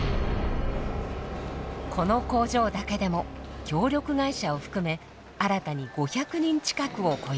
この工場だけでも協力会社を含め新たに５００人近くを雇用。